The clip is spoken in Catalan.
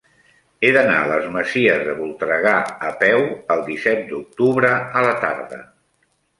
He d'anar a les Masies de Voltregà a peu el disset d'octubre a la tarda.